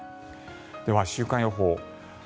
では週間予報。